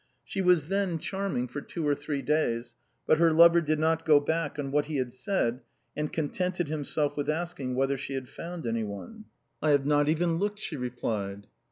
She was then charming for two or three clays. But her lover did not go back on what he had said, and contented himself with ask ing whether she had found anyone. " I have not even looked," she replied.